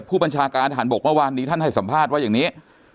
ผู้บัญชาการทหารบกเมื่อวานนี้ท่านให้สัมภาษณ์ว่าอย่างนี้